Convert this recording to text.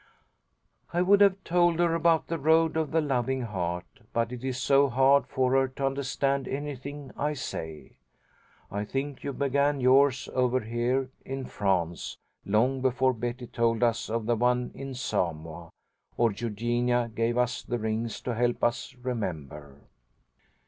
I would have told her about the Road of the Loving Heart, but it is so hard for her to understand anything I say. I think you began yours over here in France, long before Betty told us of the one in Samoa, or Eugenia gave us the rings to help us remember.